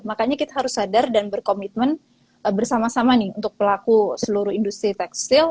makanya kita harus sadar dan berkomitmen bersama sama nih untuk pelaku seluruh industri tekstil